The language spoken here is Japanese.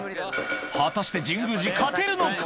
果たして、神宮寺、勝てるのか？